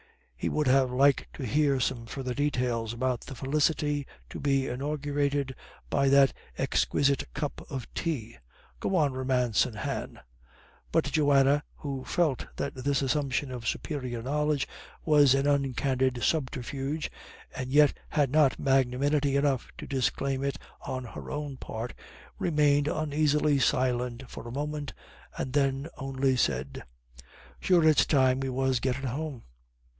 He would have liked to hear some further details about the felicity to be inaugurated by that exquisite cup of tea. "Go on romancin', Han." But Johanna, who felt that this assumption of superior knowledge was an uncandid subterfuge, and yet had not magnanimity enough to disclaim it on her own part, remained uneasily silent for a moment, and then only said: "Sure it's time we was gettin' home."